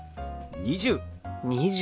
「２０」。